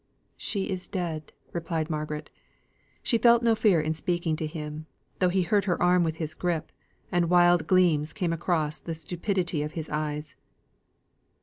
"She is dead," replied Margaret. She felt no fear in speaking to him, though he hurt her arm with his gripe, and wild gleams came across the stupidity of his eyes.